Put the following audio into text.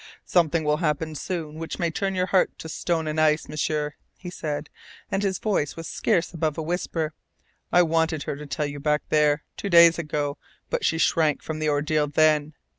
"Something will happen soon which may turn your heart to stone and ice, M'sieur," he said, and his voice was scarce above a whisper. "I wanted her to tell you back there, two days ago, but she shrank from the ordeal then.